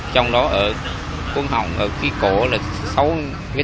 trong đó ở khuôn hỏng ở khí cổ ở đất nước